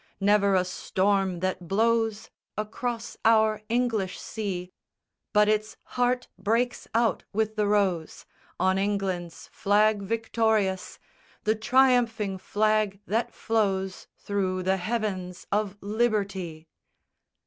Never a storm that blows Across our English sea, But its heart breaks out wi' the Rose On England's flag victorious, The triumphing flag that flows Thro' the heavens of Liberty.